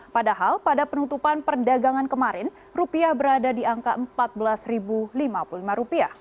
padahal pada penutupan perdagangan kemarin rupiah berada di angka rp empat belas lima puluh lima